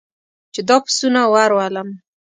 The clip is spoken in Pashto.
چې دا پسونه ور ولم.